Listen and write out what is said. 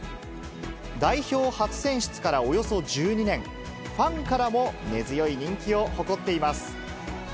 代表初選出からおよそ１２年、ファンからも根強い人気を誇っています。